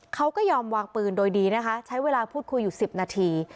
เขาก็ยอมวางปืนโดยดีนะคะใช้เวลาพูดคุยอยู่๑๐นาที